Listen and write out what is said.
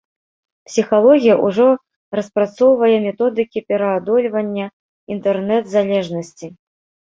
Псіхалогія ўжо распрацоўвае методыкі пераадольвання інтэрнэт-залежнасці.